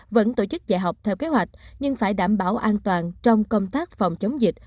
vẫn tổ chức dạy học theo kế hoạch nhưng phải đảm bảo an toàn trong công tác phòng chống dịch